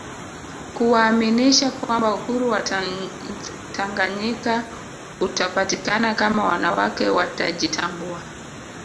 Kuwaaminisha kwamba Uhuru wa Tanganyika utapatikana kama wanawake watajitambua